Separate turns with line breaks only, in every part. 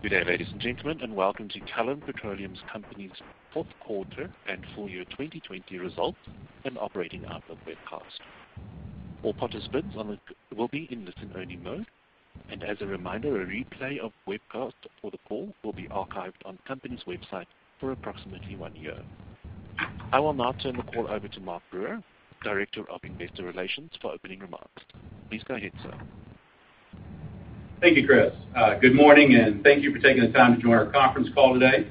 Good day, ladies and gentlemen, and welcome to Callon Petroleum Company's fourth quarter and full year 2020 results and operating outlook webcast. All participants will be in listen-only mode. As a reminder, a replay of webcast for the call will be archived on the company's website for approximately one year. I will now turn the call over to Mark Brewer, Director of Investor Relations, for opening remarks. Please go ahead, sir.
Thank you, Chris. Good morning. Thank you for taking the time to join our conference call today.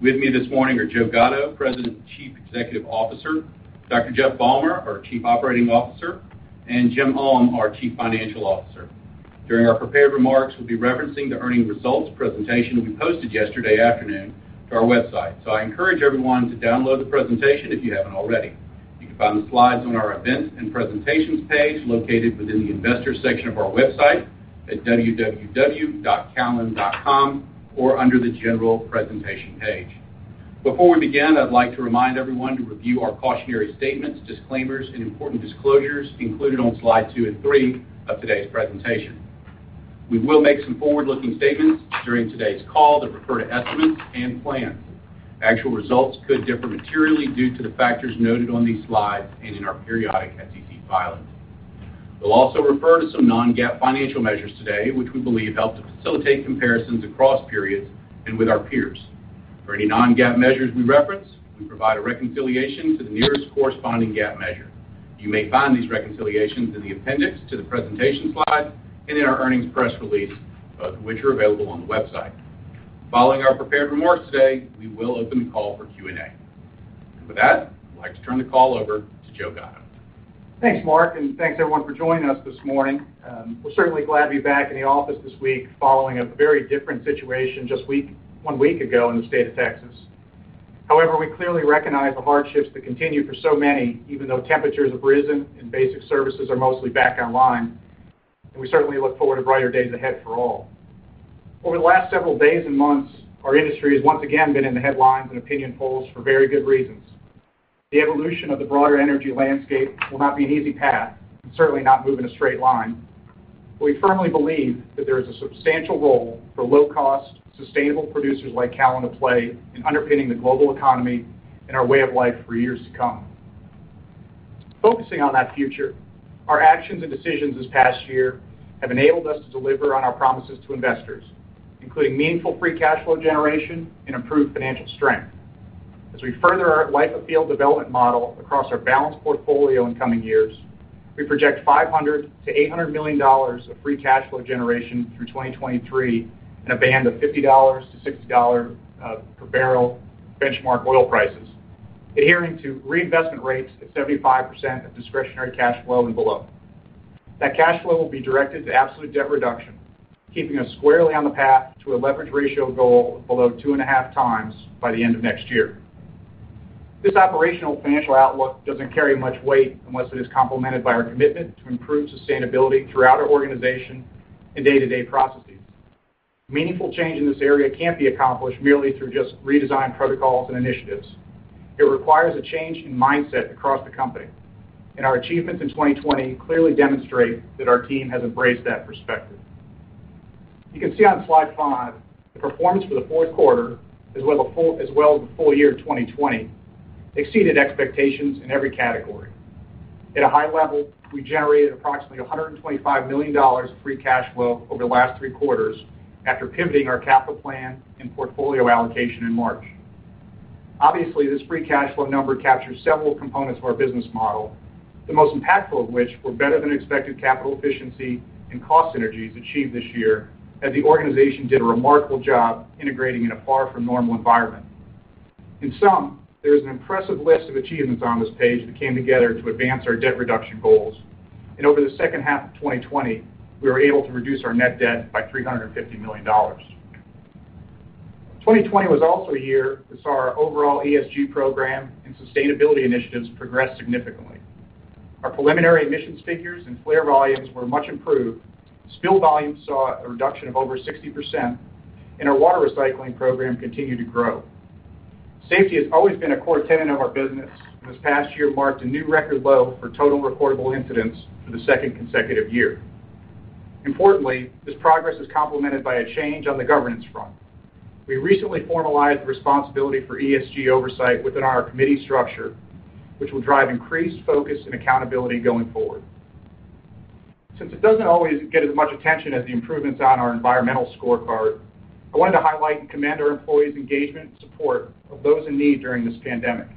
With me this morning are Joseph C. Gatto, Jr., President and Chief Executive Officer, Dr. Jeff Balmer, our Chief Operating Officer, and Jim Ulm, our Chief Financial Officer. During our prepared remarks, we'll be referencing the earnings results presentation we posted yesterday afternoon to our website. I encourage everyone to download the presentation if you haven't already. You can find the slides on our Events and Presentations page located within the Investors section of our website at www.callon.com or under the General Presentation page. Before we begin, I'd like to remind everyone to review our cautionary statements, disclaimers, and important disclosures included on slides two and three of today's presentation. We will make some forward-looking statements during today's call that refer to estimates and plans. Actual results could differ materially due to the factors noted on these slides and in our periodic SEC filings. We'll also refer to some non-GAAP financial measures today, which we believe help to facilitate comparisons across periods and with our peers. For any non-GAAP measures we reference, we provide a reconciliation to the nearest corresponding GAAP measure. You may find these reconciliations in the appendix to the presentation slides and in our earnings press release, both of which are available on the website. Following our prepared remarks today, we will open the call for Q&A. With that, I'd like to turn the call over to Joseph C. Gatto, Jr.
Thanks, Mark, and thanks everyone for joining us this morning. We're certainly glad to be back in the office this week following a very different situation just one week ago in the state of Texas. However, we clearly recognize the hardships that continue for so many, even though temperatures have risen and basic services are mostly back online, and we certainly look forward to brighter days ahead for all. Over the last several days and months, our industry has once again been in the headlines and opinion polls for very good reasons. The evolution of the broader energy landscape will not be an easy path, and certainly not move in a straight line. We firmly believe that there is a substantial role for low-cost, sustainable producers like Callon Petroleum Company to play in underpinning the global economy and our way of life for years to come. Focusing on that future, our actions and decisions this past year have enabled us to deliver on our promises to investors, including meaningful free cash flow generation and improved financial strength. As we further our life of field development model across our balanced portfolio in coming years, we project $500 million-$800 million of free cash flow generation through 2023 in a band of $50-$60 per barrel benchmark oil prices, adhering to reinvestment rates at 75% of discretionary cash flow and below. That cash flow will be directed to absolute debt reduction, keeping us squarely on the path to a leverage ratio goal below 2.5x by the end of next year. This operational financial outlook doesn't carry much weight unless it is complemented by our commitment to improve sustainability throughout our organization and day-to-day processes. Meaningful change in this area can't be accomplished merely through just redesigned protocols and initiatives. It requires a change in mindset across the company, and our achievements in 2020 clearly demonstrate that our team has embraced that perspective. You can see on slide five, the performance for the fourth quarter, as well as the full year 2020, exceeded expectations in every category. At a high level, we generated approximately $125 million of free cash flow over the last three quarters after pivoting our capital plan and portfolio allocation in March. Obviously, this free cash flow number captures several components of our business model, the most impactful of which were better than expected capital efficiency and cost synergies achieved this year as the organization did a remarkable job integrating in a far-from-normal environment. In sum, there is an impressive list of achievements on this page that came together to advance our debt reduction goals. Over the second half of 2020, we were able to reduce our net debt by $350 million. 2020 was also a year that saw our overall ESG program and sustainability initiatives progress significantly. Our preliminary emissions figures and flare volumes were much improved. Spill volumes saw a reduction of over 60%, and our water recycling program continued to grow. Safety has always been a core tenet of our business, and this past year marked a new record low for total reportable incidents for the second consecutive year. Importantly, this progress is complemented by a change on the governance front. We recently formalized responsibility for ESG oversight within our committee structure, which will drive increased focus and accountability going forward. Since it doesn't always get as much attention as the improvements on our environmental scorecard, I wanted to highlight and commend our employees' engagement and support of those in need during this pandemic.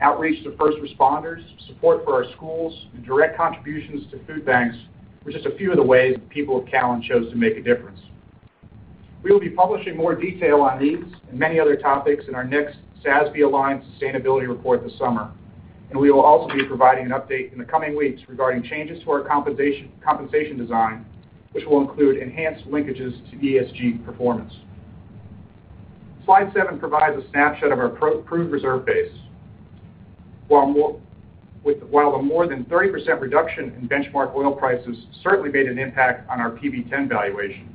Outreach to first responders, support for our schools, and direct contributions to food banks were just a few of the ways the people of Callon Petroleum Company chose to make a difference. We will be publishing more detail on these and many other topics in our next SASB-aligned sustainability report this summer, and we will also be providing an update in the coming weeks regarding changes to our compensation design, which will include enhanced linkages to ESG performance. Slide seven provides a snapshot of our proved reserve base. While the more than 30% reduction in benchmark oil prices certainly made an impact on our PV-10 valuation,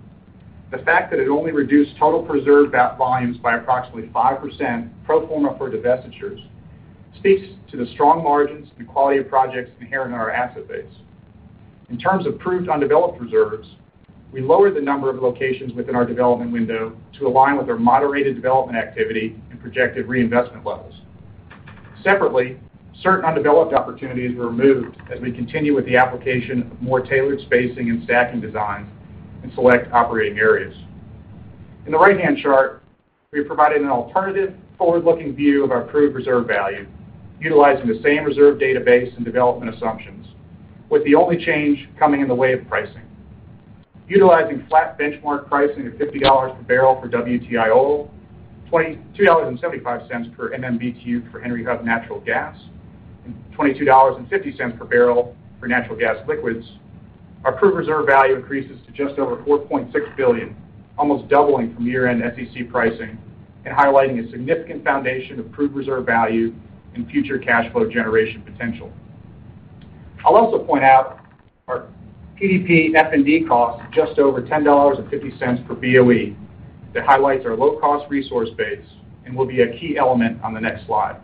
the fact that it only reduced total proved volumes by approximately 5%, pro forma for divestitures, speaks to the strong margins and quality of projects inherent in our asset base. In terms of proved undeveloped reserves, we lowered the number of locations within our development window to align with our moderated development activity and projected reinvestment levels. Separately, certain undeveloped opportunities were removed as we continue with the application of more tailored spacing and stacking designs in select operating areas. In the right-hand chart, we have provided an alternative forward-looking view of our proved reserve value utilizing the same reserve database and development assumptions, with the only change coming in the way of pricing. Utilizing flat benchmark pricing of $50 per barrel for WTI oil, $2.75 per MMBtu for Henry Hub natural gas, and $22.50 per barrel for natural gas liquids, our proved reserve value increases to just over $4.6 billion, almost doubling from year-end SEC pricing and highlighting a significant foundation of proved reserve value and future cash flow generation potential. I'll also point out our PDP F&D cost of just over $10.50 per BOE. That highlights our low-cost resource base and will be a key element on the next slide.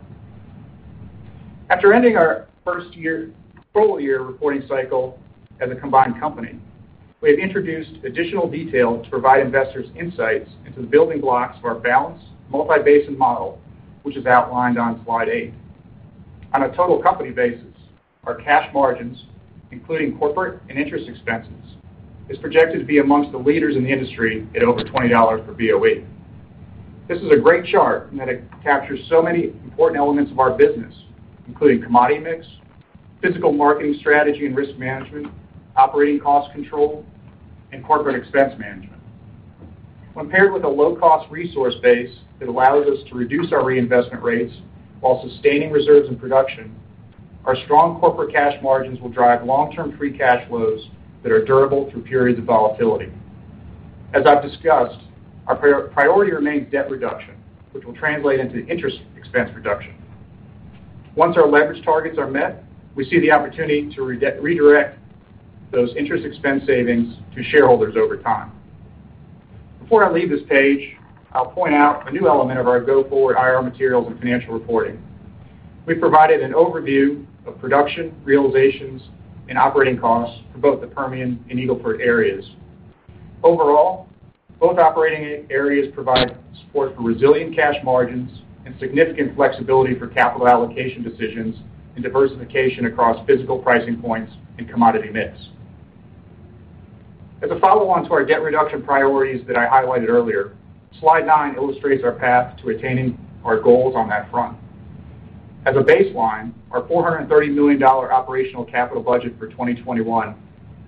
After ending our first full year reporting cycle as a combined company, we have introduced additional detail to provide investors insights into the building blocks of our balanced multi-basin model, which is outlined on slide eight. On a total company basis, our cash margins, including corporate and interest expenses, is projected to be amongst the leaders in the industry at over $20 per BOE. This is a great chart in that it captures so many important elements of our business, including commodity mix, physical marketing strategy and risk management, operating cost control, and corporate expense management. When paired with a low-cost resource base that allows us to reduce our reinvestment rates while sustaining reserves and production, our strong corporate cash margins will drive long-term free cash flows that are durable through periods of volatility. As I've discussed, our priority remains debt reduction, which will translate into interest expense reduction. Once our leverage targets are met, we see the opportunity to redirect those interest expense savings to shareholders over time. Before I leave this page, I'll point out a new element of our go-forward IR materials and financial reporting. We've provided an overview of production, realizations, and operating costs for both the Permian and Eagle Ford areas. Overall, both operating areas provide support for resilient cash margins and significant flexibility for capital allocation decisions and diversification across physical pricing points and commodity mix. As a follow-on to our debt reduction priorities that I highlighted earlier, slide nine illustrates our path to attaining our goals on that front. As a baseline, our $430 million operational capital budget for 2021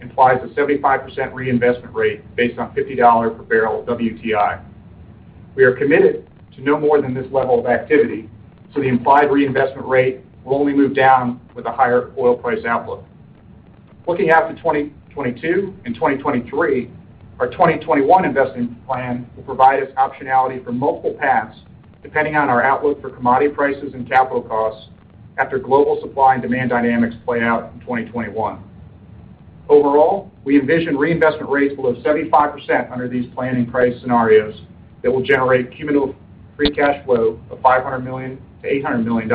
implies a 75% reinvestment rate based on $50 per barrel WTI. We are committed to no more than this level of activity, so the implied reinvestment rate will only move down with a higher oil price outlook. Looking out to 2022 and 2023, our 2021 investing plan will provide us optionality for multiple paths depending on our outlook for commodity prices and capital costs after global supply and demand dynamics play out in 2021. Overall, we envision reinvestment rates below 75% under these planning price scenarios that will generate cumulative free cash flow of $500 million-$800 million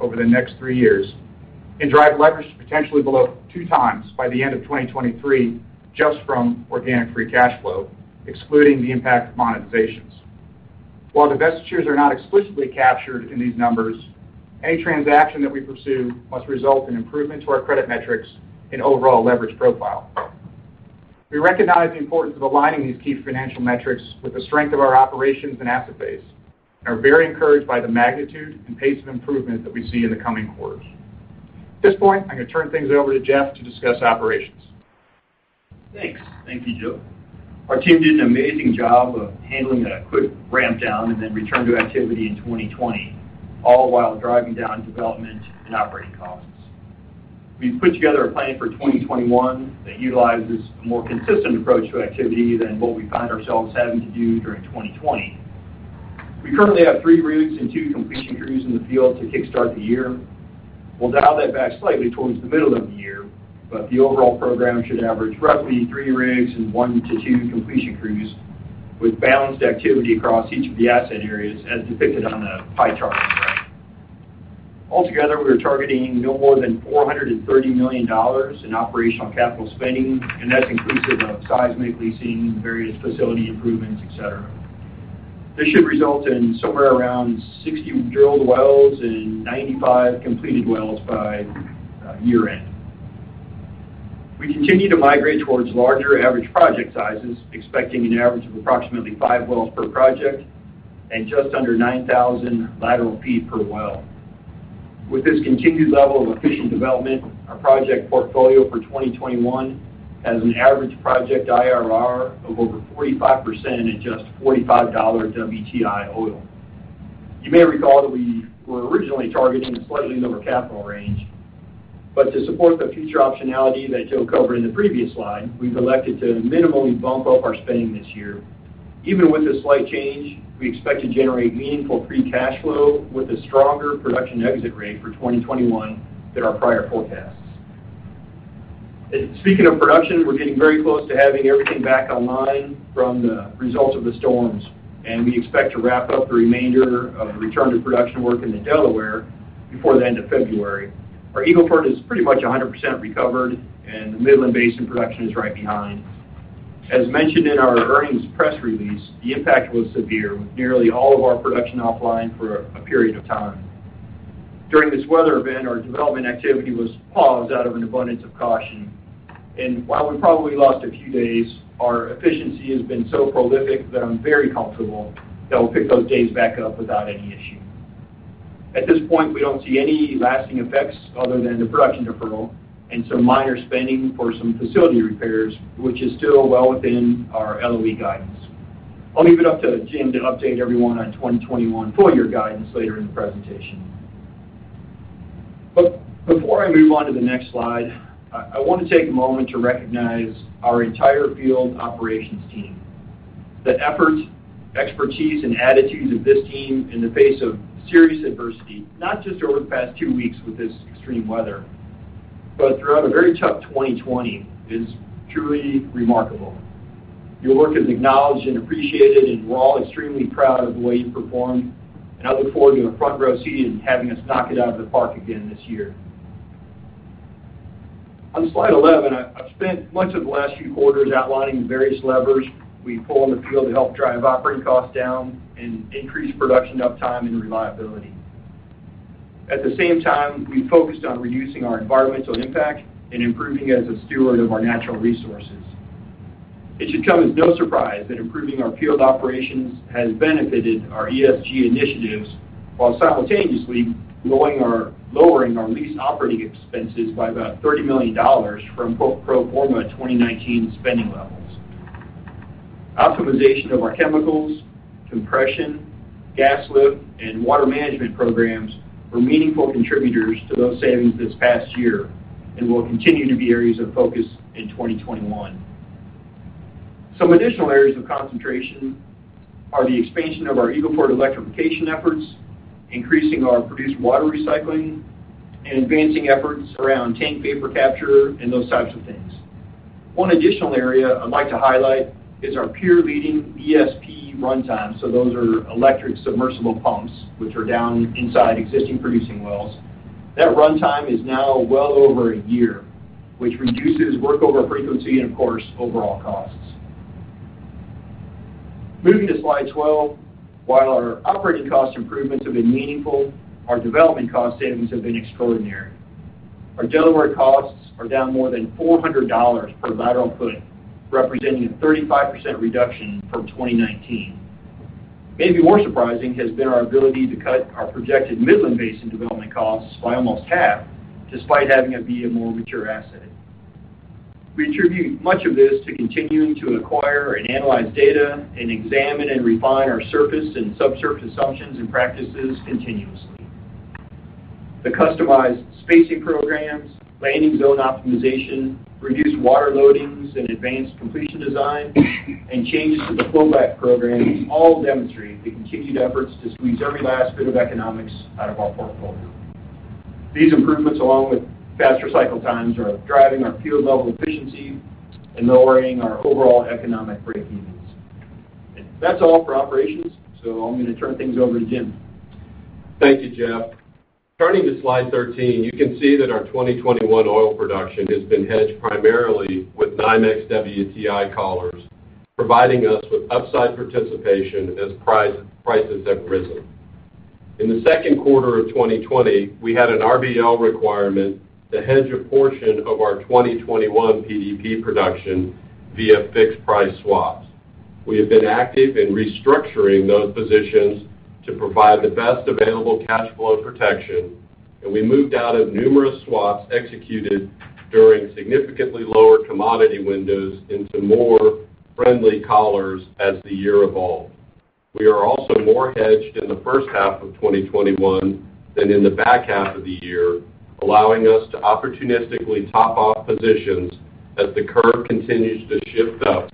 over the next three years and drive leverage to potentially below two times by the end of 2023 just from organic free cash flow, excluding the impact of monetizations. While divestitures are not explicitly captured in these numbers, any transaction that we pursue must result in improvement to our credit metrics and overall leverage profile. We recognize the importance of aligning these key financial metrics with the strength of our operations and asset base and are very encouraged by the magnitude and pace of improvement that we see in the coming quarters. At this point, I'm going to turn things over to Jeff to discuss operations.
Thanks. Thank you, Joe. Our team did an amazing job of handling a quick ramp down and then return to activity in 2020, all while driving down development and operating costs. We've put together a plan for 2021 that utilizes a more consistent approach to activity than what we found ourselves having to do during 2020. We currently have three rigs and two completion crews in the field to kickstart the year. We'll dial that back slightly towards the middle of the year, but the overall program should average roughly three rigs and one to two completion crews with balanced activity across each of the asset areas, as depicted on the pie chart on the left. Altogether, we are targeting no more than $430 million in operational capital spending, and that's inclusive of seismic leasing, various facility improvements, et cetera. This should result in somewhere around 60 drilled wells and 95 completed wells by year-end. We continue to migrate towards larger average project sizes, expecting an average of approximately five wells per project and just under 9,000 lateral feet per well. With this continued level of efficient development, our project portfolio for 2021 has an average project IRR of over 45% at just $45 WTI oil. You may recall that we were originally targeting a slightly lower capital range, but to support the future optionality that Joe covered in the previous slide, we've elected to minimally bump up our spending this year. Even with this slight change, we expect to generate meaningful free cash flow with a stronger production exit rate for 2021 than our prior forecasts. Speaking of production, we're getting very close to having everything back online from the results of the storms, and we expect to wrap up the remainder of the return-to-production work in the Delaware before the end of February. Our Eagle Ford is pretty much 100% recovered. The Midland Basin production is right behind. As mentioned in our earnings press release, the impact was severe, with nearly all of our production offline for a period of time. During this weather event, our development activity was paused out of an abundance of caution. While we probably lost a few days, our efficiency has been so prolific that I'm very comfortable that we'll pick those days back up without any issue. At this point, we don't see any lasting effects other than the production deferral and some minor spending for some facility repairs, which is still well within our LOE guidance. I'll leave it up to Jim to update everyone on 2021 full-year guidance later in the presentation. Before I move on to the next slide, I want to take a moment to recognize our entire field operations team. The effort, expertise, and attitudes of this team in the face of serious adversity, not just over the past two weeks with this extreme weather, but throughout a very tough 2020, is truly remarkable. Your work is acknowledged and appreciated, we're all extremely proud of the way you performed, I look forward to a front-row seat in having us knock it out of the park again this year. On slide 11, I've spent much of the last few quarters outlining the various levers we pull in the field to help drive operating costs down and increase production uptime and reliability. At the same time, we focused on reducing our environmental impact and improving as a steward of our natural resources. It should come as no surprise that improving our field operations has benefited our ESG initiatives while simultaneously lowering our lease operating expenses by about $30 million from pro forma 2019 spending levels. Optimization of our chemicals, compression, gas lift, and water management programs were meaningful contributors to those savings this past year and will continue to be areas of focus in 2021. Some additional areas of concentration are the expansion of our Eagle Ford electrification efforts, increasing our produced water recycling, and advancing efforts around tank vapor capture and those types of things. One additional area I'd like to highlight is our peer-leading ESP runtime. Those are electric submersible pumps, which are down inside existing producing wells. That runtime is now well over a year, which reduces workover frequency and, of course, overall costs. Moving to slide 12, while our operating cost improvements have been meaningful, our development cost savings have been extraordinary. Our Delaware costs are down more than $400 per lateral foot, representing a 35% reduction from 2019. Maybe more surprising has been our ability to cut our projected Midland Basin development costs by almost half, despite having it be a more mature asset. We attribute much of this to continuing to acquire and analyze data and examine and refine our surface and subsurface assumptions and practices continuously. The customized spacing programs, landing zone optimization, reduced water loadings and advanced completion design, and changes to the flowback programs all demonstrate the continued efforts to squeeze every last bit of economics out of our portfolio. These improvements, along with faster cycle times, are driving our field-level efficiency and lowering our overall economic breakevens. That's all for operations. I'm going to turn things over to Jim.
Thank you, Jeff. Turning to slide 13, you can see that our 2021 oil production has been hedged primarily with NYMEX WTI collars, providing us with upside participation as prices have risen. In the second quarter of 2020, we had an RBL requirement to hedge a portion of our 2021 PDP production via fixed-price swaps. We have been active in restructuring those positions to provide the best available cash flow protection, and we moved out of numerous swaps executed during significantly lower commodity windows into more friendly collars as the year evolved. We are also more hedged in the first half of 2021 than in the back half of the year, allowing us to opportunistically top off positions as the curve continues to shift up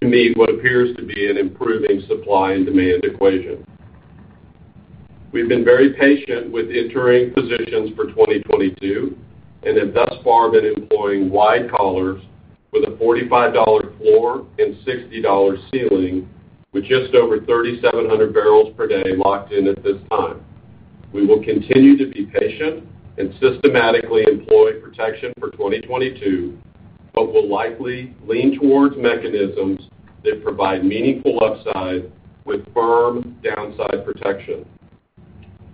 to meet what appears to be an improving supply and demand equation. We've been very patient with entering positions for 2022 and have thus far been employing wide collars with a $45 floor and $60 ceiling, with just over 3,700 barrels per day locked in at this time. We will continue to be patient and systematically employ protection for 2022, but will likely lean towards mechanisms that provide meaningful upside with firm downside protection.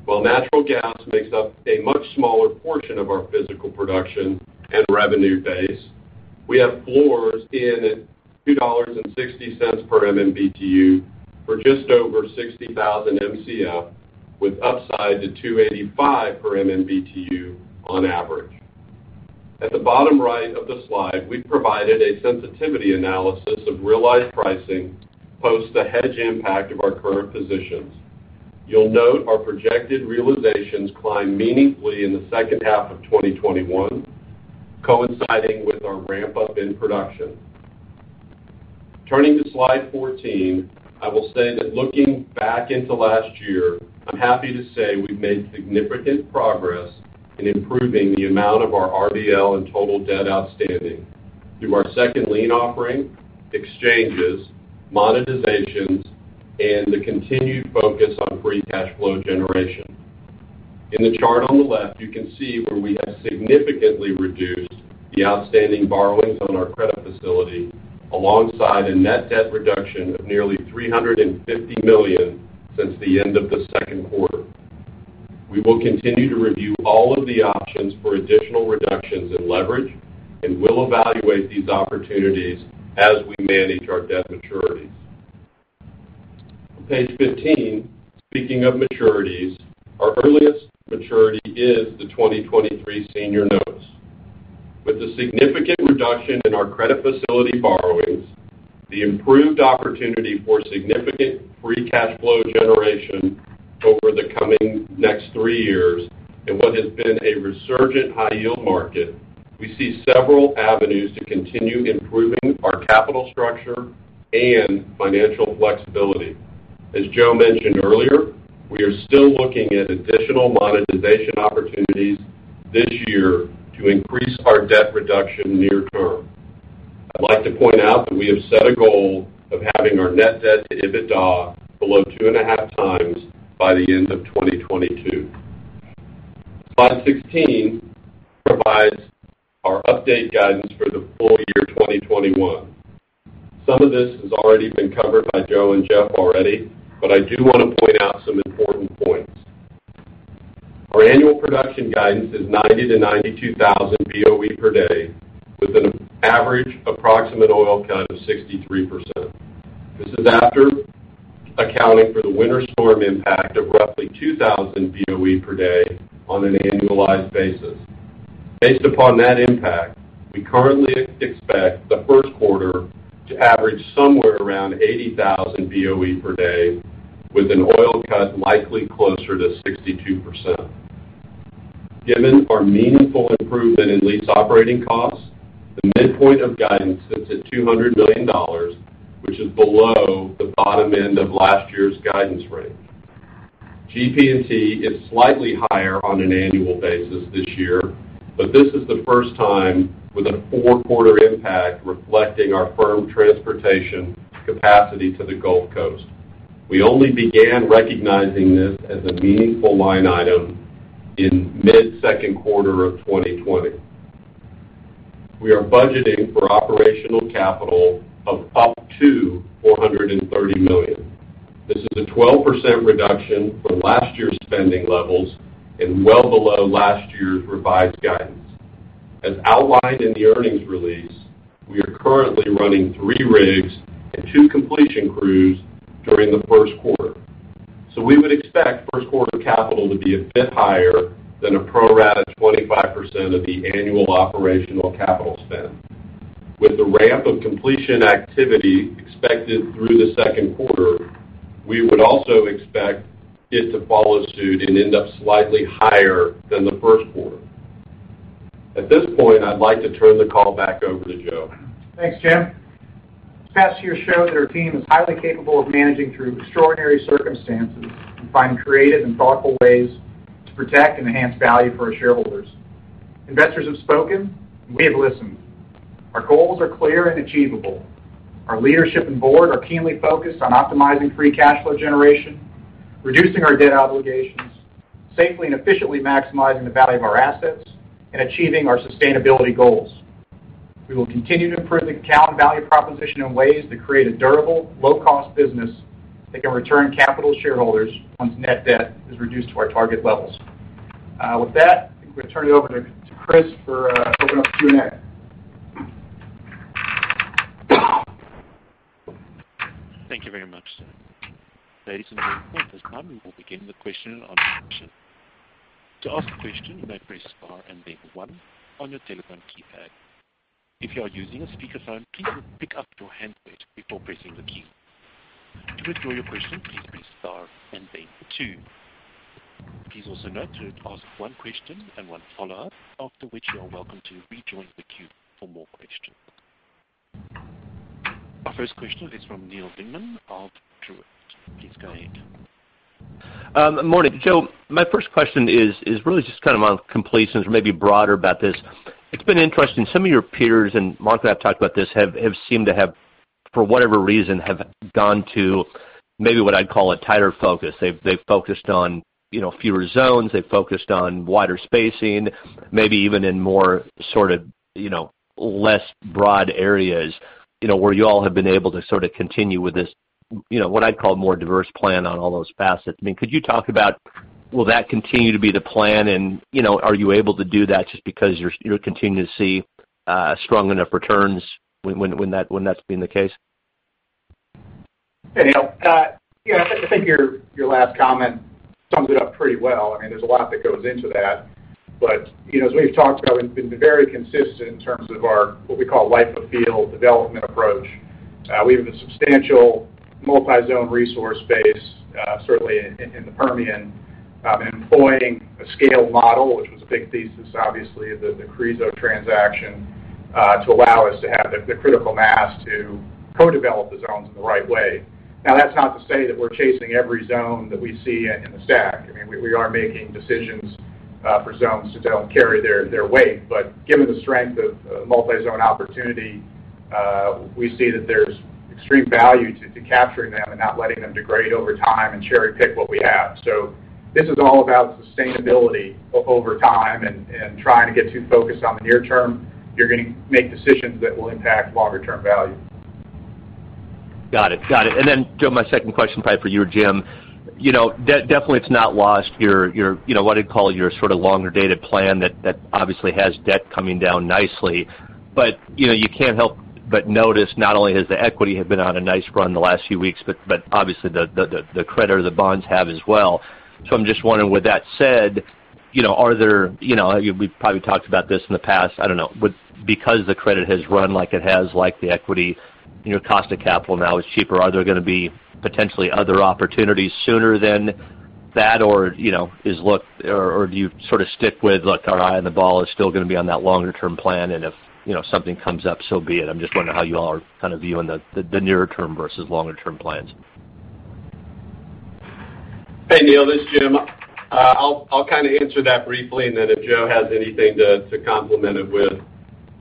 While natural gas makes up a much smaller portion of our physical production and revenue base, we have floors in at $2.60 per MMBtu for just over 60,000 Mcf, with upside to $2.85 per MMBtu on average. At the bottom right of the slide, we've provided a sensitivity analysis of realized pricing post the hedge impact of our current positions. You'll note our projected realizations climb meaningfully in the second half of 2021, coinciding with our ramp up in production. Turning to slide 14, I will say that looking back into last year, I'm happy to say we've made significant progress in improving the amount of our RBL and total debt outstanding. Through our second lien offering, exchanges, monetizations, and the continued focus on free cash flow generation. In the chart on the left, you can see where we have significantly reduced the outstanding borrowings on our credit facility, alongside a net debt reduction of nearly $350 million since the end of the second quarter. We will continue to review all of the options for additional reductions in leverage, and will evaluate these opportunities as we manage our debt maturities. On page 15, speaking of maturities, our earliest maturity is the 2023 senior notes. With the significant reduction in our credit facility borrowings, the improved opportunity for significant free cash flow generation over the coming next three years, and what has been a resurgent high-yield market, we see several avenues to continue improving our capital structure and financial flexibility. As Joe mentioned earlier, we are still looking at additional monetization opportunities this year to increase our debt reduction near term. I'd like to point out that we have set a goal of having our net debt to EBITDA below two and a half times by the end of 2022. Slide 16 provides our update guidance for the full year 2021. I do want to point out some important points. Our annual production guidance is 90,000-92,000 BOE per day with an average approximate oil cut of 63%. This is after accounting for the winter storm impact of roughly 2,000 BOE per day on an annualized basis. Based upon that impact, we currently expect the first quarter to average somewhere around 80,000 BOE per day with an oil cut likely closer to 62%. Given our meaningful improvement in lease operating costs, the midpoint of guidance sits at $200 million, which is below the bottom end of last year's guidance range. GP&T is slightly higher on an annual basis this year. This is the first time with a four-quarter impact reflecting our firm transportation capacity to the Gulf Coast. We only began recognizing this as a meaningful line item in mid-second quarter of 2020. We are budgeting for operational capital of up to $430 million. This is a 12% reduction from last year's spending levels and well below last year's revised guidance. As outlined in the earnings release, we are currently running three rigs and two completion crews during the first quarter. We would expect first quarter capital to be a bit higher than a pro-rata 25% of the annual operational capital spend. With the ramp of completion activity expected through the second quarter, we would also expect it to follow suit and end up slightly higher than the first quarter. At this point, I'd like to turn the call back over to Joe.
Thanks, Jim. This past year showed that our team is highly capable of managing through extraordinary circumstances and finding creative and thoughtful ways to protect and enhance value for our shareholders. Investors have spoken, and we have listened. Our goals are clear and achievable. Our leadership and board are keenly focused on optimizing free cash flow generation, reducing our debt obligations, safely and efficiently maximizing the value of our assets, and achieving our sustainability goals. We will continue to improve the Callon Petroleum Company value proposition in ways that create a durable, low-cost business that can return capital to shareholders once net debt is reduced to our target levels. With that, I think we'll turn it over to Chris for open up Q&A.
Thank you very much. Ladies and gentlemen, at this time, we will begin the question and answer session. To ask a question, you may press star and then one on your telephone keypad. If you are using a speakerphone, please pick up your handset before pressing the key. To withdraw your question, please press star and then two. Please also note to ask one question and one follow-up, after which you are welcome to rejoin the queue for more questions. Our first question is from Neal Dingmann of Truist Securities. Please go ahead.
Morning. Joe, my first question is really just kind of on completions or maybe broader about this. It's been interesting. Some of your peers, and Martha and I have talked about this, have seemed to have, for whatever reason, have gone to maybe what I'd call a tighter focus. They've focused on fewer zones. They've focused on wider spacing, maybe even in more sort of less broad areas, where you all have been able to sort of continue with this, what I'd call more diverse plan on all those facets. Could you talk about will that continue to be the plan, and are you able to do that just because you continue to see strong enough returns when that's been the case?
Hey, Neal. Yeah, I think your last comment sums it up pretty well. There's a lot that goes into that. As we've talked about, we've been very consistent in terms of our what we call life of field development approach. We have a substantial multi-zone resource base certainly in the Permian employing a scale model, which was a big thesis, obviously, the Carrizo Oil & Gas transaction to allow us to have the critical mass to co-develop the zones in the right way. Now, that's not to say that we're chasing every zone that we see in the stack. We are making decisions For zones to carry their weight. Given the strength of multi-zone opportunity, we see that there's extreme value to capturing them and not letting them degrade over time and cherry-pick what we have. This is all about sustainability over time and trying to get too focused on the near term, you're going to make decisions that will impact longer-term value.
Got it. Joe, my second question probably for you or Jim. Definitely it's not lost, what I'd call your sort of longer-dated plan that obviously has debt coming down nicely. You can't help but notice, not only has the equity had been on a nice run the last few weeks, but obviously, the credit or the bonds have as well. I'm just wondering, with that said, we've probably talked about this in the past. I don't know. Because the credit has run like it has, like the equity, cost of capital now is cheaper. Are there going to be potentially other opportunities sooner than that? Do you sort of stick with, look, our eye on the ball is still going to be on that longer-term plan, and if something comes up, so be it? I'm just wondering how you all are kind of viewing the nearer term versus longer term plans?
Hey, Neal, this is Jim. I'll kind of answer that briefly, and then if Joe has anything to complement it with.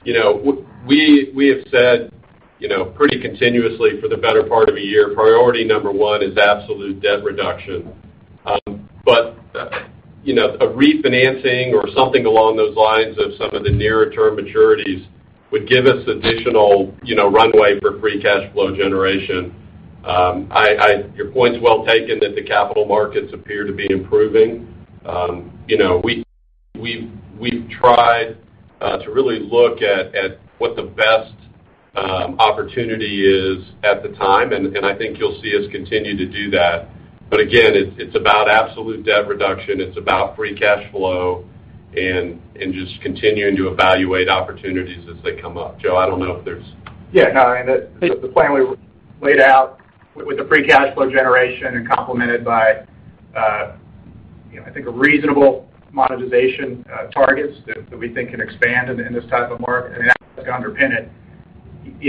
We have said pretty continuously for the better part of a year, priority number one is absolute debt reduction. A refinancing or something along those lines of some of the nearer-term maturities would give us additional runway for free cash flow generation. Your point's well taken that the capital markets appear to be improving. We've tried to really look at what the best opportunity is at the time, and I think you'll see us continue to do that. Again, it's about absolute debt reduction. It's about free cash flow and just continuing to evaluate opportunities as they come up. Joe, I don't know if there's
Yeah, no. I think the plan we laid out with the free cash flow generation and complemented by, I think, a reasonable monetization targets that we think can expand in this type of market, and that underpinned it.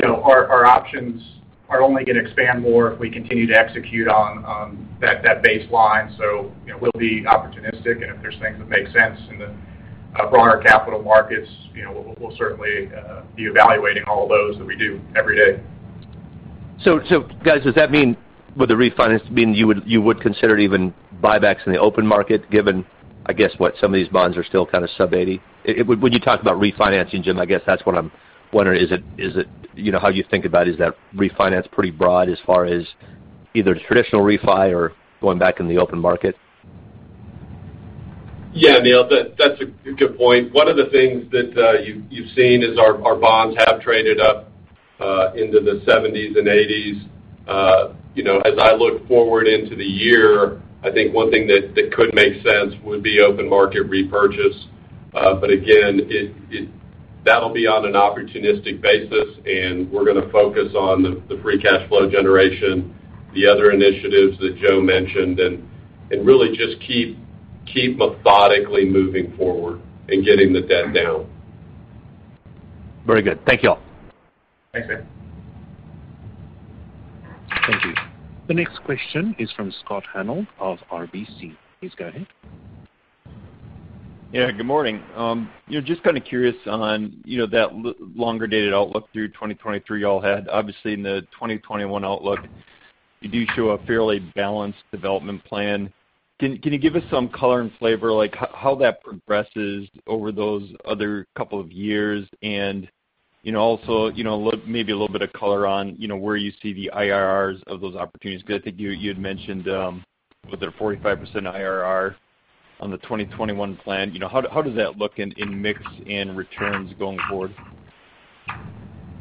Our options are only going to expand more if we continue to execute on that baseline. We'll be opportunistic, and if there's things that make sense in the broader capital markets, we'll certainly be evaluating all those, as we do every day.
Guys, does that mean with the refinance, you would consider even buybacks in the open market, given, I guess, what some of these bonds are still kind of sub-80? When you talk about refinancing, Jim, I guess that's what I'm wondering. How you think about, is that refinance pretty broad as far as either traditional refinance or going back in the open market?
Yeah, Neal, that's a good point. One of the things that you've seen is our bonds have traded up into the 70s and 80s. As I look forward into the year, I think one thing that could make sense would be open-market repurchase. Again, that'll be on an opportunistic basis, and we're going to focus on the free cash flow generation, the other initiatives that Joe mentioned, and really just keep methodically moving forward and getting the debt down.
Very good. Thank you all.
Thanks, Neal.
Thank you. The next question is from Scott Hanold of RBC Capital Markets. Please go ahead.
Yeah, good morning. Just kind of curious on that longer-dated outlook through 2023 you all had. Obviously, in the 2021 outlook, you do show a fairly balanced development plan. Can you give us some color and flavor, like how that progresses over those other couple of years? And also, maybe a little bit of color on where you see the IRRs of those opportunities, because I think you had mentioned with a 45% IRR on the 2021 plan. How does that look in mix and returns going forward?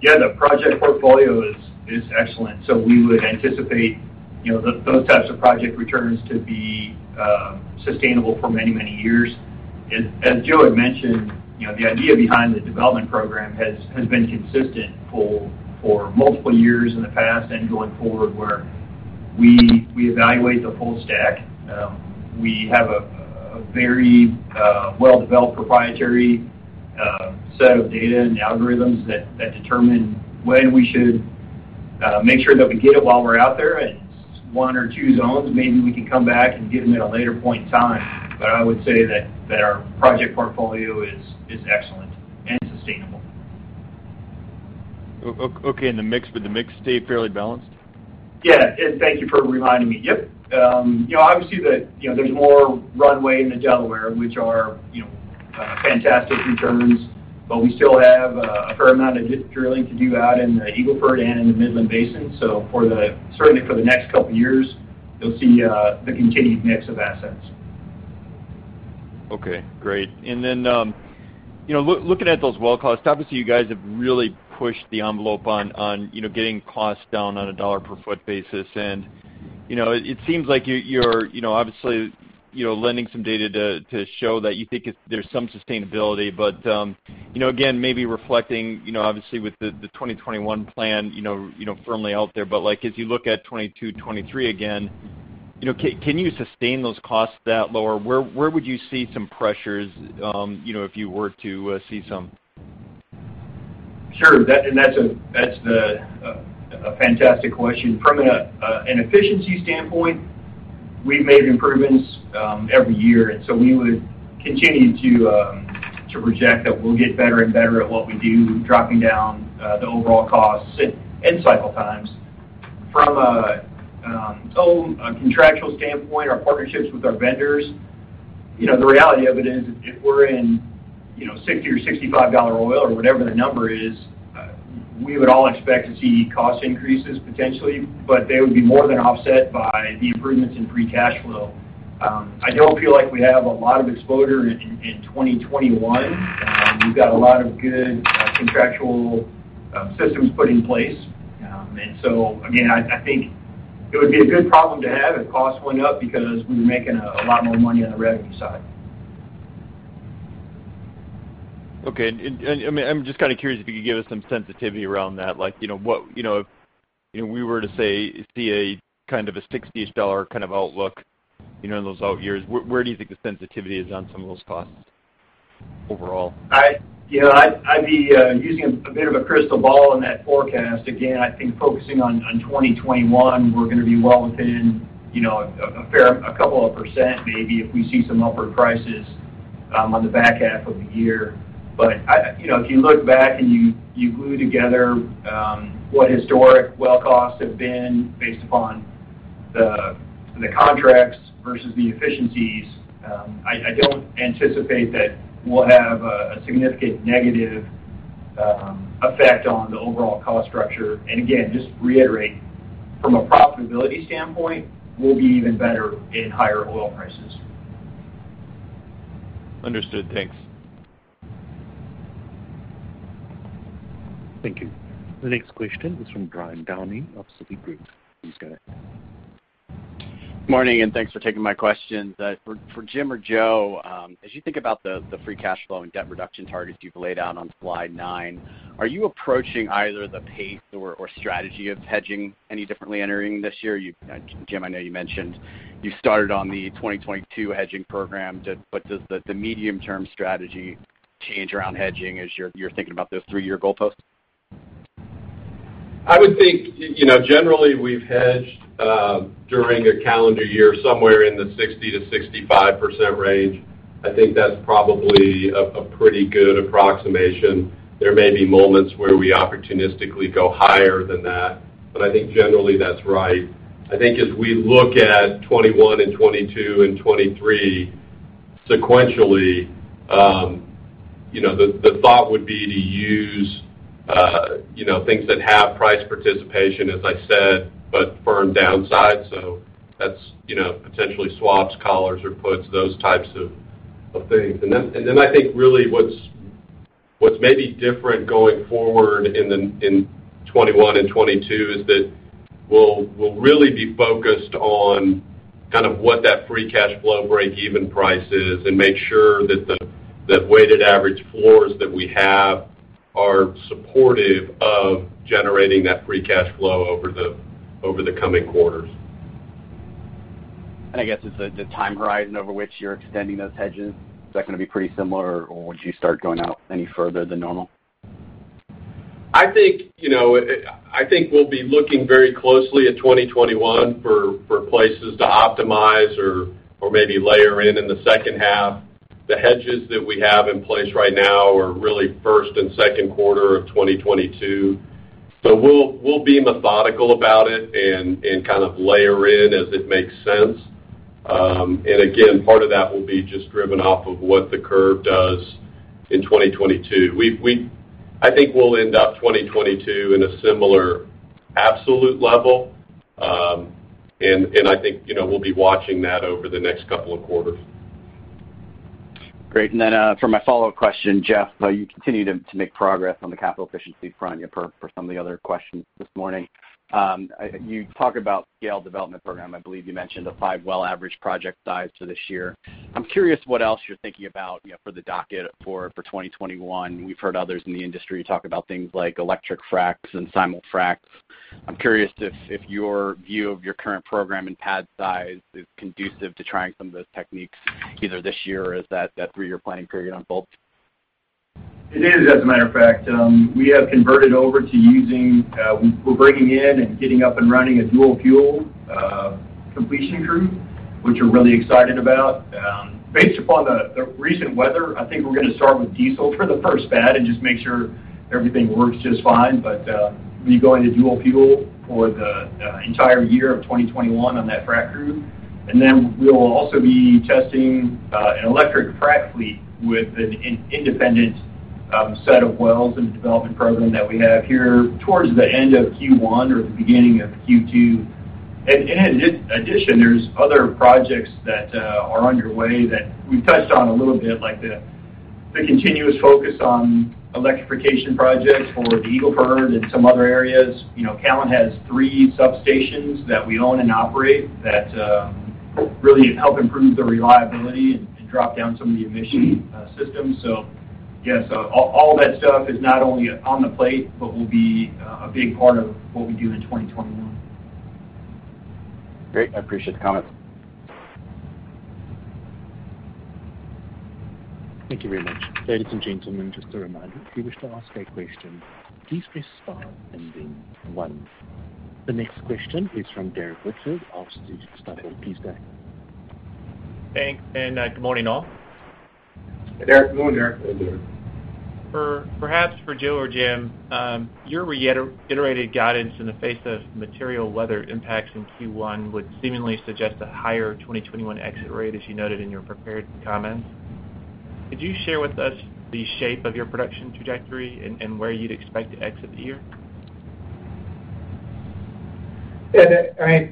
Yeah, the project portfolio is excellent. We would anticipate those types of project returns to be sustainable for many, many years. As Joe had mentioned, the idea behind the development program has been consistent for multiple years in the past and going forward, where we evaluate the full stack. We have a very well-developed proprietary set of data and algorithms that determine when we should make sure that we get it while we're out there in one or two zones. Maybe we can come back and get them at a later point in time. I would say that our project portfolio is excellent and sustainable.
Okay. The mix, would the mix stay fairly balanced?
Yeah. Thank you for reminding me. Yep. Obviously, there's more runway in the Delaware, which are fantastic returns, but we still have a fair amount of drilling to do out in the Eagle Ford and in the Midland Basin. Certainly for the next couple of years, you'll see the continued mix of assets.
Okay, great. Looking at those well costs, obviously, you guys have really pushed the envelope on getting costs down on a dollar-per-foot basis, and it seems like you're obviously lending some data to show that you think there's some sustainability. Again, maybe reflecting, obviously, with the 2021 plan firmly out there, as you look at 2022, 2023 again, can you sustain those costs that low, or where would you see some pressures if you were to see some?
Sure. That's a fantastic question. From an efficiency standpoint, we've made improvements every year, and so we would continue to project that we'll get better and better at what we do, dropping down the overall costs and cycle times. From a contractual standpoint, our partnerships with our vendors, the reality of it is if we're in $60 or $65 oil or whatever the number is, we would all expect to see cost increases potentially, but they would be more than offset by the improvements in free cash flow. I don't feel like we have a lot of exposure in 2021. We've got a lot of good contractual systems put in place. So, I think it would be a good problem to have if costs went up because we're making a lot more money on the revenue side.
Okay. I'm just curious if you could give us some sensitivity around that. If we were to, say, see a $60-ish kind of outlook in those out years, where do you think the sensitivity is on some of those costs overall?
I'd be using a bit of a crystal ball in that forecast. I think focusing on 2021, we're going to be well within a couple of percent maybe if we see some upward prices on the back half of the year. If you look back and you glue together what historic well costs have been based upon the contracts versus the efficiencies, I don't anticipate that we'll have a significant negative effect on the overall cost structure. Just to reiterate, from a profitability standpoint, we'll be even better in higher oil prices.
Understood. Thanks.
Thank you. The next question is from Brian Downey of Citigroup. Please go ahead.
Good morning. Thanks for taking my questions. For Jim or Joe, as you think about the free cash flow and debt reduction targets you've laid out on slide nine, are you approaching either the pace or strategy of hedging any differently entering this year? Jim, I know you mentioned you started on the 2022 hedging program. Does the medium-term strategy change around hedging as you're thinking about those three-year goalposts?
I would think, generally, we've hedged during a calendar year somewhere in the 60%-65% range. I think that's probably a pretty good approximation. There may be moments where we opportunistically go higher than that, but I think generally that's right. As we look at 2021 and 2022 and 2023 sequentially, the thought would be to use things that have price participation, as I said, but firm downside. That's potentially swaps, collars, or puts, those types of things. I think really what's maybe different going forward in 2021 and 2022 is that we'll really be focused on what that free cash flow breakeven price is and make sure that the weighted average floors that we have are supportive of generating that free cash flow over the coming quarters.
I guess it's the time horizon over which you're extending those hedges. Is that going to be pretty similar, or would you start going out any further than normal?
I think we'll be looking very closely at 2021 for places to optimize or maybe layer in in the second half. The hedges that we have in place right now are really first and second quarter of 2022. We'll be methodical about it and layer in as it makes sense. Again, part of that will be just driven off of what the curve does in 2022. I think we'll end up 2022 in a similar absolute level. I think we'll be watching that over the next couple of quarters.
Great. For my follow-up question, Jeff, you continue to make progress on the capital efficiency front, per some of the other questions this morning. You talk about scale development program. I believe you mentioned a five-well average project size for this year. I'm curious what else you're thinking about for the docket for 2021. We've heard others in the industry talk about things like electric fracs and simul-fracs. I'm curious if your view of your current program and pad size is conducive to trying some of those techniques either this year as that three-year planning period unfolds.
It is, as a matter of fact. We have converted over to we're bringing in and getting up and running a dual-fuel completion crew, which we're really excited about. Based upon the recent weather, I think we're going to start with diesel for the first pad and just make sure everything works just fine. We'll be going to dual fuel for the entire year of 2021 on that frac crew. We'll also be testing an electric frac fleet with an independent set of wells and development program that we have here towards the end of Q1 or at the beginning of Q2. In addition, there's other projects that are underway that we've touched on a little bit, like the continuous focus on electrification projects for the Eagle Ford and some other areas. Callon Petroleum Company has three substations that we own and operate that really help improve the reliability and drop down some of the emission systems. Yes, all that stuff is not only on the plate, but will be a big part of what we do in 2021.
Great. I appreciate the comments.
Thank you very much. Ladies and gentlemen, just a reminder, if you wish to ask a question, please press star and then one. The next question is from Derrick Whitfield of Stifel. Please go ahead.
Thanks. Good morning, all.
Hey, Derrick. Good morning, Derrick.
Perhaps for Joe or Jim, your reiterated guidance in the face of material weather impacts in Q1 would seemingly suggest a higher 2021 exit rate, as you noted in your prepared comments. Could you share with us the shape of your production trajectory and where you'd expect to exit the year?
Yeah.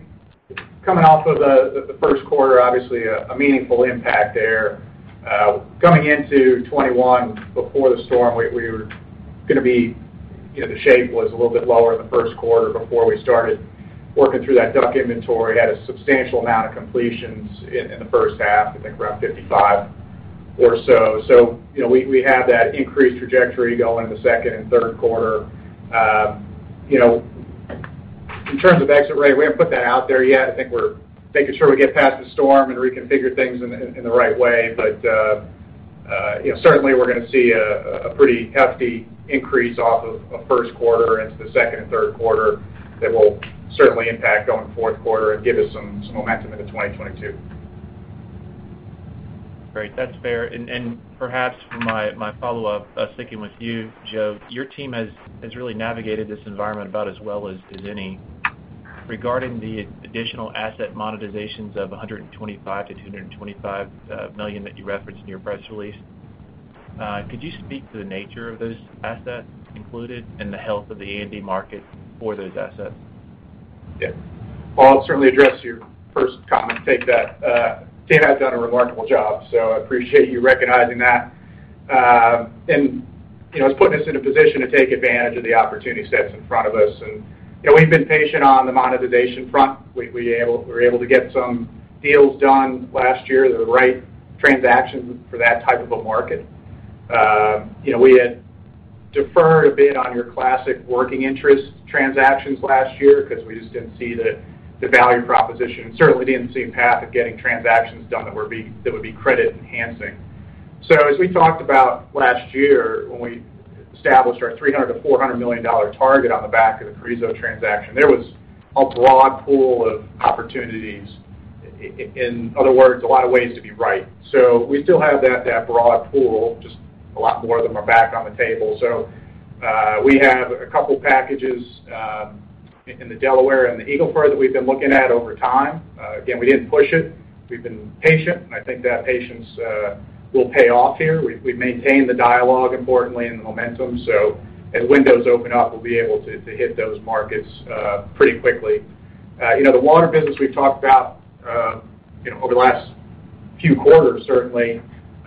Coming off of the first quarter, obviously, a meaningful impact there. Coming into 2021, before the storm, the shape was a little bit lower in the first quarter before we started working through that DUC inventory. Had a substantial amount of completions in the first half, I think around 55 or so. We have that increased trajectory going into the second and third quarter. In terms of exit rate, we haven't put that out there yet. I think we're making sure we get past the storm and reconfigure things in the right way. Certainly, we're going to see a pretty hefty increase off of first quarter into the second and third quarter that will certainly impact on fourth quarter and give us some momentum into 2022.
Great. That's fair. Perhaps for my follow-up, sticking with you, Joe, your team has really navigated this environment about as well as any. Regarding the additional asset monetizations of $125 million-$225 million that you referenced in your press release, could you speak to the nature of those assets included and the health of the E&P market for those assets?
Yeah. Well, I'll certainly address your first comment and take that. The team has done a remarkable job, so I appreciate you recognizing that. It's putting us in a position to take advantage of the opportunity set that's in front of us. We've been patient on the monetization front. We were able to get some deals done last year, the right transactions for that type of a market. We had deferred a bit on your classic working interest transactions last year because we just didn't see the value proposition, certainly didn't see a path of getting transactions done that would be credit enhancing. As we talked about last year, when we established our $300 million-$400 million target on the back of the Carrizo transaction, there was a broad pool of opportunities. In other words, a lot of ways to be right. We still have that broad pool, just a lot more of them are back on the table. We have a couple packages in the Delaware and the Eagle Ford that we've been looking at over time. Again, we didn't push it. We've been patient, and I think that patience will pay off here. We've maintained the dialogue, importantly, and the momentum. As windows open up, we'll be able to hit those markets pretty quickly. The water business we've talked about over the last few quarters, certainly,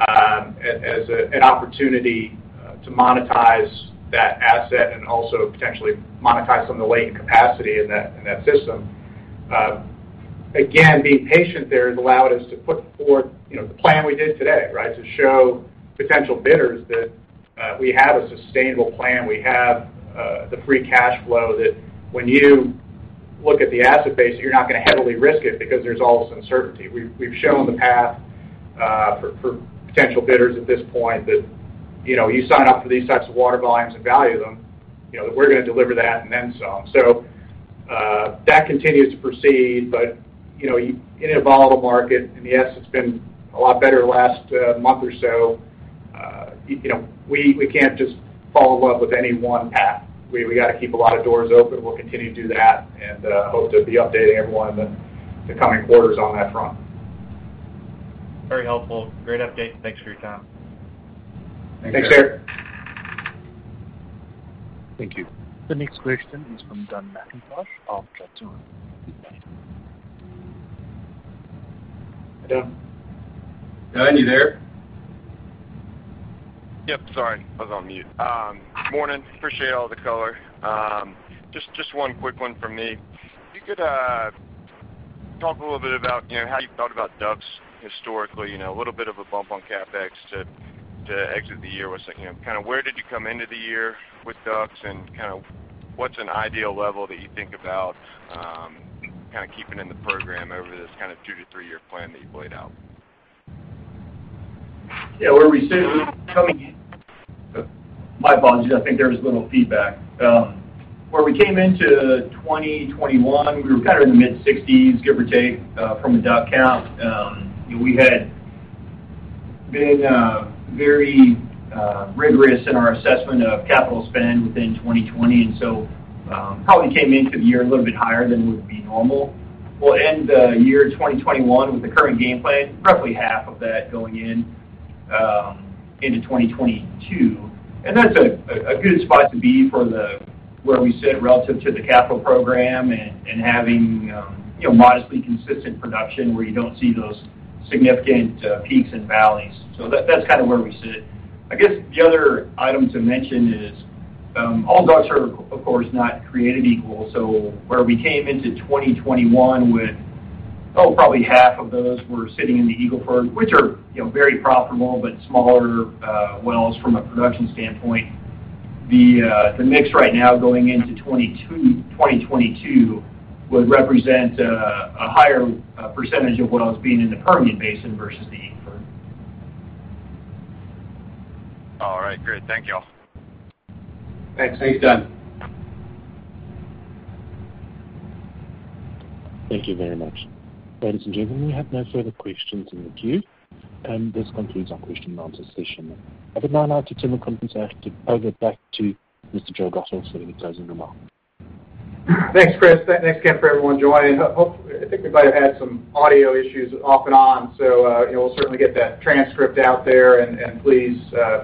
as an opportunity to monetize that asset and also potentially monetize some of the latent capacity in that system. Again, being patient there has allowed us to put forth the plan we did today, to show potential bidders that we have a sustainable plan. We have the free cash flow that when you look at the asset base, you're not going to heavily risk it because there's all this uncertainty. We've shown the path for potential bidders at this point that you sign up for these types of water volumes and value them, that we're going to deliver that and then some. That continues to proceed. In a volatile market, and yes, it's been a lot better the last month or so, we can't just follow up with any one path. We got to keep a lot of doors open. We'll continue to do that and hope to be updating everyone in the coming quarters on that front.
Very helpful. Great update. Thanks for your time.
Thanks, Derrick.
Thank you. The next question is from Dun McIntosh of Johnson Rice.
Hi, Dun. Dun, you there?
Yep. Sorry, I was on mute. Morning. Appreciate all the color. Just one quick one from me. If you could talk a little bit about how you thought about DUCs historically, a little bit of a bump on CapEx to exit the year with. Where did you come into the year with DUCs, and what's an ideal level that you think about keeping in the program over this two to three-year plan that you've laid out?
Yeah. My apologies. I think there was a little feedback. Where we came into 2021, we were in the mid-60s, give or take, from a DUC count. We had been very rigorous in our assessment of capital spend within 2020, probably came into the year a little bit higher than would be normal. We'll end the year 2021 with the current game plan, roughly half of that going into 2022. That's a good spot to be for where we sit relative to the capital program and having modestly consistent production where you don't see those significant peaks and valleys. That's where we sit. I guess the other item to mention is all DUCs are, of course, not created equal. Where we came into 2021 with, probably half of those were sitting in the Eagle Ford, which are very profitable but smaller wells from a production standpoint. The mix right now going into 2022 would represent a higher percentage of wells being in the Permian Basin versus the Eagle Ford.
All right, great. Thank you all.
Thanks. Thanks, Dun.
Thank you very much. Ladies and gentlemen, we have no further questions in the queue. This concludes our question and answer session. At the moment, I'd like to turn the conference back over to Mr. Joseph C. Gatto, Jr. for any closing remarks.
Thanks, Chris. Thanks again for everyone joining. I think we might have had some audio issues off and on, so we'll certainly get that transcript out there. Please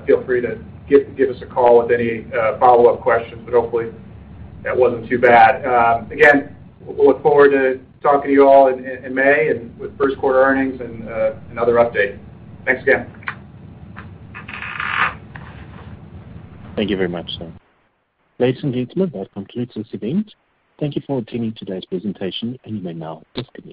feel free to give us a call with any follow-up questions, but hopefully that wasn't too bad. Again, we look forward to talking to you all in May and with first quarter earnings and another update. Thanks again.
Thank you very much, sir. Ladies and gentlemen, that concludes this event. Thank you for attending today's presentation, and you may now disconnect.